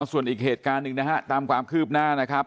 ส่วนอีกเหตุการณ์หนึ่งนะฮะตามความคืบหน้านะครับ